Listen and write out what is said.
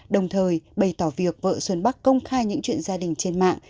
đồng thời bày tỏ việc vợ xuân bắc công khai những chuyện gia đình trên mạng